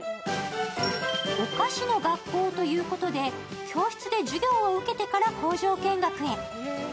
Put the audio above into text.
おかしの学校ということで教室で授業を受けてから工場見学へ。